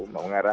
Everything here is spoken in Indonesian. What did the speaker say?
mengarah ke sana